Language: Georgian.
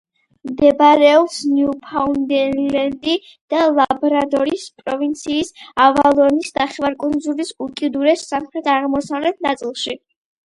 მდებარეობს ნიუფაუნდლენდი და ლაბრადორის პროვინციის ავალონის ნახევარკუნძულის უკიდურეს სამხრეთ-აღმოსავლეთ ნაწილში.